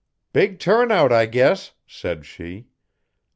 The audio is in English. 'Big turn out I guess,' said she.